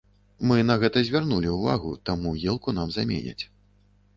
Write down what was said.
Мы на гэта звярнулі ўвагу, таму елку нам заменяць.